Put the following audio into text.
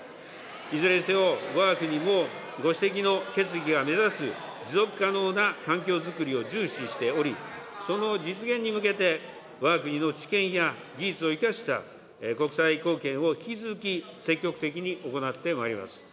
いずれにせよ、わが国もご指摘の決議が目指す持続可能な環境づくりを重視しており、その実現に向けて、わが国の知見や技術を生かした国際貢献を引き続き積極的に行ってまいります。